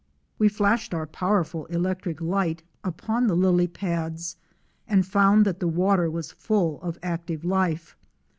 We flashed our powerful electric light upon the lily pads and found that the water was full of active life.